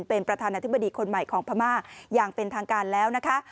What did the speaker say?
เป็นประธานาธิบดีคนใหม่ของพม่าอย่างเป็นทางการแล้วนะคะ